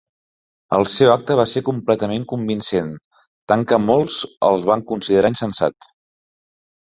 El seu acte va ser completament convincent, tant que molts el van considerar insensat.